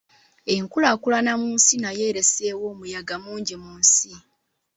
Enkulaakulana mu nsi nayo ereeseewo omuyaga mungi mu nsi